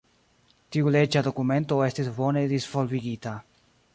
Tiu leĝa dokumento estis bone disvolvigita.